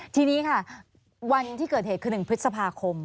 ทีนี้ค่ะวันที่เกิดเหตุคือ๑พฤษภาคม